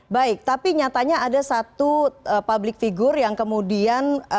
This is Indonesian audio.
baik tapi nyatanya ada satu public figure yang kemudian